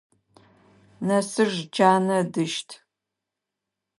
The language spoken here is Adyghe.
Нэсыж джанэ ыдыщт.